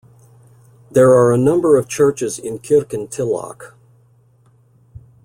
There are a number of churches in Kirkintilloch.